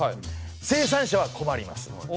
生産者は困ります。